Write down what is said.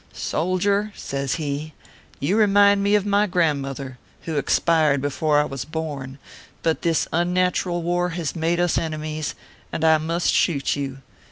" Soldier/ says he, " you remind me of my grand mother, who expired before I was born ; but this un natural war has made us enemies, and I must shoot you.